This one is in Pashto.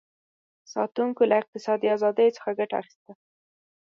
ساتونکو له اقتصادي ازادیو څخه ګټه اخیسته.